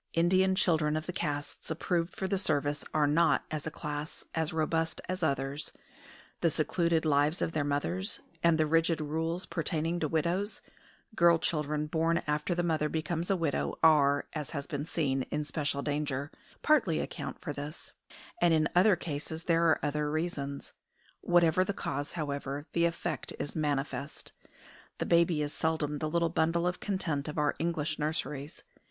Indian children of the castes approved for the service are not, as a class, as robust as others; the secluded lives of their mothers, and the rigid rules pertaining to widows (girl children born after the mother becomes a widow are, as has been seen, in special danger), partly account for this; and in other cases there are other reasons. Whatever the cause, however, the effect is manifest. The baby is seldom the little bundle of content of our English nurseries.